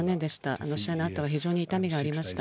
あの試合のあとは非常に痛みがありました。